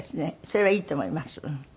それはいいと思います。